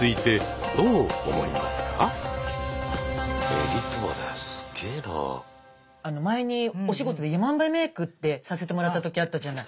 皆さんは前にお仕事でヤマンバメークってさせてもらった時あったじゃない？